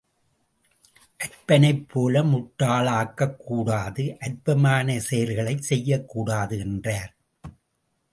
அற்பனைப்போல முட்டாளாகக்கூடாது அற்பமான செயல்களைச் செய்யக்கூடாது என்றார்.